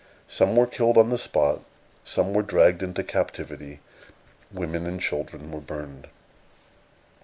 Some were killed on the spot; some were dragged into captivity; women and children were burned.